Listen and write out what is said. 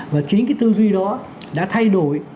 và chính cái tư duy đó đã thay đổi